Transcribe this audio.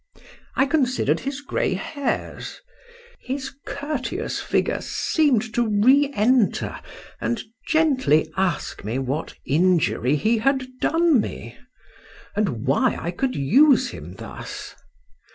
—I consider'd his gray hairs—his courteous figure seem'd to re enter and gently ask me what injury he had done me?—and why I could use him thus?